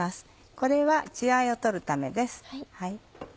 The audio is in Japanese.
これは血合いを取るためです。